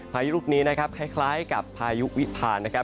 พายุลูกนี้นะครับคล้ายกับพายุวิพานะครับ